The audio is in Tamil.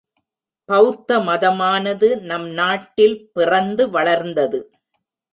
பௌத்த மதமானது நம் நாட்டில் பிறந்து வளர்ந்தது.